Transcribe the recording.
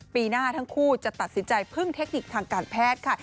ปีหน้าทั้งคู่จะตัดสินใจพึ่งเทคนิคทางการแพทย์ค่ะ